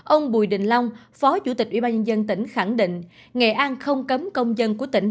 ông bùi đình long phó chủ tịch ubnd tỉnh khẳng định nghệ an không cấm công dân của tỉnh